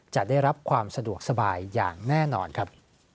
จะได้รับความสะดวกสบายอย่างแน่นอนครับ